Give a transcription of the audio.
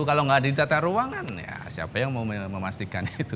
kalau tidak di tata ruang kan ya siapa yang mau memastikan itu